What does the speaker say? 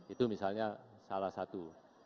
itu misalnya salah satu